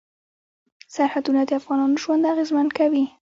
سرحدونه د افغانانو ژوند اغېزمن کوي.